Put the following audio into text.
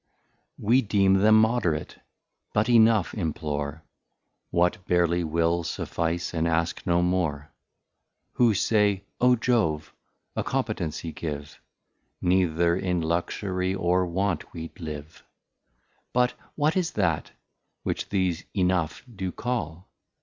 _ We deem them moderate, but Enough implore, What barely will suffice, and ask no more: Who say, (O Jove) a competency give, Neither in Luxury, or Want we'd live. But what is that, which these Enough do call?